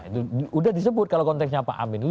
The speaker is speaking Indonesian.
sudah disebut kalau konteksnya pak amin dulu